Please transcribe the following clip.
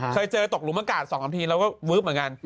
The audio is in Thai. เคยเจอตกหลุมอากาศ๒๓ทีแล้วก็วึ๊บเหมือนกัน